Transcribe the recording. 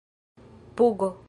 pugo